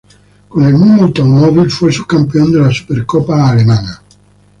Con el mismo automóvil, fue subcampeón de la Supercopa Alemana.